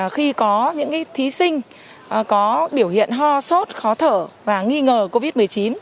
khi có những thí sinh có biểu hiện ho sốt khó thở và nghi ngờ covid một mươi chín